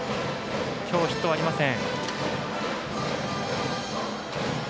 きょう、ヒットはありません。